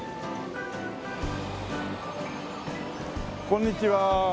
こんにちは。